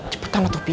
cepetan loh toh pih